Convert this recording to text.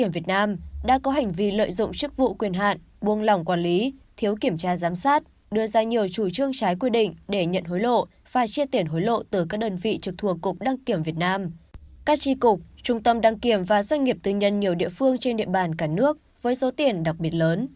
và doanh nghiệp tư nhân nhiều địa phương trên địa bàn cả nước với số tiền đặc biệt lớn